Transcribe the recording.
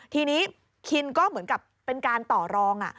ทีนี้คินก็เหมือนกับเป็นการต่อรอง